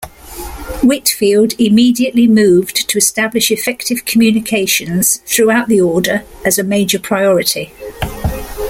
Whitfield immediately moved to establish effective communications throughout the order as a major priority.